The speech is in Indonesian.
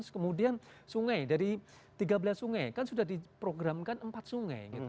kemudian sungai dari tiga belas sungai kan sudah diprogramkan empat sungai